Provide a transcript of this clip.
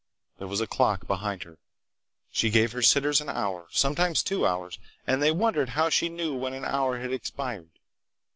There was a clock behind her. She gave her sitters an hour, sometimes two hours, and they wondered how she knew when the hour had expired.